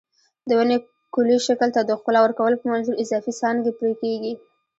د ونې کلي شکل ته د ښکلا ورکولو په منظور اضافي څانګې پرې کېږي.